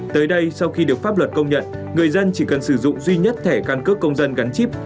tới đây sau khi được pháp luật công nhận người dân chỉ cần sử dụng duy nhất thẻ căn cước công dân gắn chip